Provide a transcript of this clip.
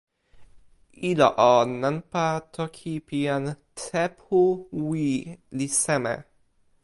ilo o, nanpa toki pi jan Tepu Wi li seme?